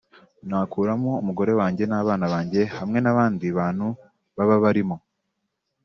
Nakuramo Umugore wanjye n’abana banjye hamwe n’abandi bantu baba barimo